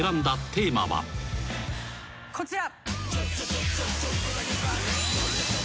こちら。